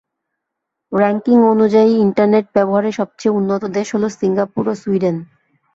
Ranking অনুযায়ী internet ব্যবহারে সবচেয়ে উন্নত দেশ হলো সিঙ্গাপুর ও সুইডেন।